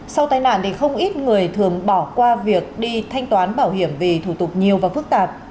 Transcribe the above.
sau tai nạn thì không ít người thường bỏ qua việc đi thanh toán bảo hiểm vì thủ tục nhiều và phức tạp